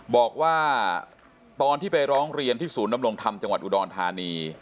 บอกว่าตอนที่ไปร้องเรียนที่ศูนย์ดำรงธรรมจังหวัดอุดรธานี